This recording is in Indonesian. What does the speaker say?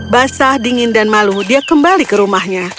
basah dingin dan malu dia kembali ke rumahnya